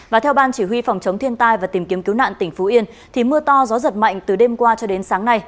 và theo ban chỉ huy phòng chống thiên tai và tìm kiếm cứu nạn tỉnh phú yên thì mưa to gió giật mạnh từ đêm qua cho đến sáng nay